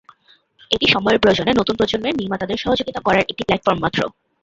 এটি সময়ের প্রয়োজনে নতুন প্রজন্মের নির্মাতাদের সহযোগিতা করার একটি প্ল্যাটফর্ম মাত্র।